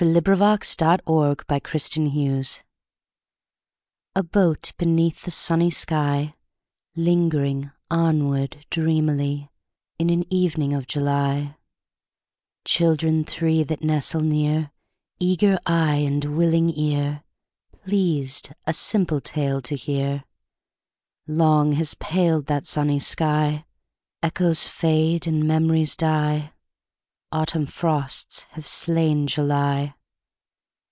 Lewis Carroll Epilogue to Looking Glass A BOAT, beneath a sunny sky Lingering onward dreamily In an evening of July Children three that nestle near, Eager eye and willing ear Pleased a simple tale to hear Long has paled that sunny sky: Echoes fade and memories die: Autumn frosts have slain July.